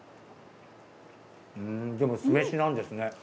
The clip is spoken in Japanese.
でも酢飯なんですね。